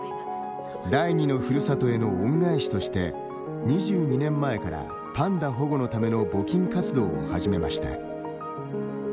第二のふるさとへの恩返しとして２２年前からパンダ保護のための募金活動を始めました。